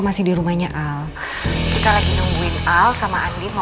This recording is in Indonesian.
masih di rumahnya al al sama andi mau